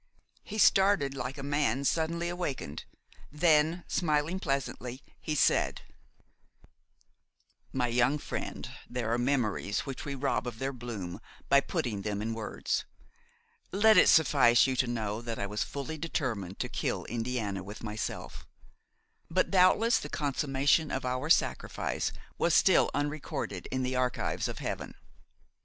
He started like a man suddenly awakened; then, smiling pleasantly, he said: "My young friend, there are memories which we rob of their bloom by putting them in words. Let it suffice you to know that I was fully determined to kill Indiana with myself. But doubtless the consummation of our sacrifice was still unrecorded in the archives of Heaven.